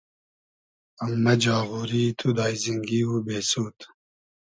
مۂ جاغوری تو داݷزینگی و بېسود